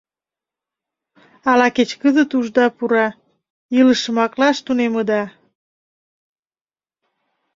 Ала кеч кызыт ушда пура, илышым аклаш тунемыда?..